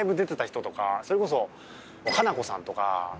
それこそ。